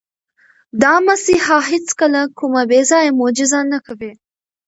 دا مسیحا هیڅکله کومه بې ځایه معجزه نه کوي.